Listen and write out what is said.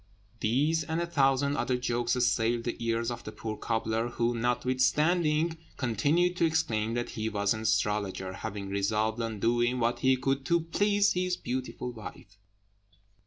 These and a thousand other jokes assailed the ears of the poor cobbler, who, notwithstanding, continued to exclaim that he was an astrologer, having resolved on doing what he could to please his beautiful wife.